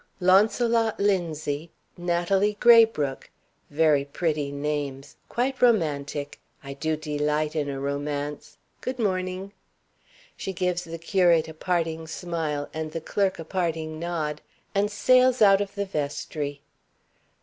'Launcelot Linzie,' 'Natalie Graybrooke.' Very pretty names; quite romantic. I do delight in a romance. Good morning." She gives the curate a parting smile, and the clerk a parting nod, and sails out of the vestry.